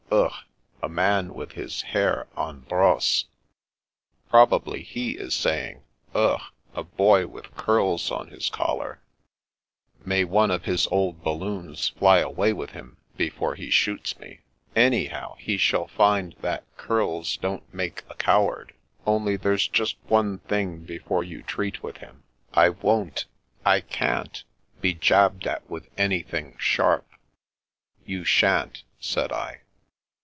Ugh ! A man with his hair en brosse! "" Probably he is saying, * Ugh ! a boy with curls on his collar/ "" May one of his old balloons fly away with him, before he shoots me. Anyhow, he shall find that The Challenge 251 curls don't make a coward. Only — ^diere's just one thing before you treat with him. I won't — I can*l — be jabbed at with anything sharp." " You shan't," said I.